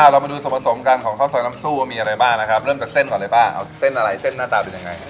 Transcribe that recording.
เรามาดูส่วนผสมกันของข้าวซอยน้ำซู่ว่ามีอะไรบ้างนะครับเริ่มจากเส้นก่อนเลยบ้างเอาเส้นอะไรเส้นหน้าตาเป็นยังไง